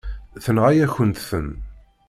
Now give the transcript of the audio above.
Tenɣa-yakent-ten.